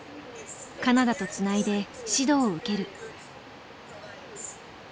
カナダとつないで指導を受ける。